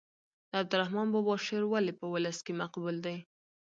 د عبدالرحمان بابا شعر ولې په ولس کې مقبول دی.